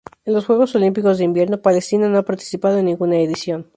En los Juegos Olímpicos de Invierno Palestina no ha participado en ninguna edición.